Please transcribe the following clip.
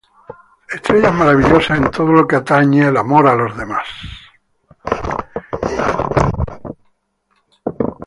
Estrellas maravillosas en todo lo que atañe al amor a los demás.